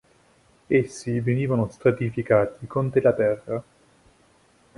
Essi venivano stratificati con della terra.